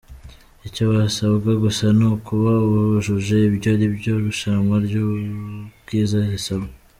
Icyo basabwa gusa ni ukuba bujuje ibyo iryo rushanwa ry’ubwiza risaba.